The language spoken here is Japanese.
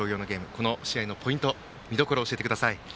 この試合のポイント、見どころを教えてください。